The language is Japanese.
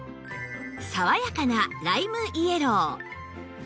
爽やかなライムイエロー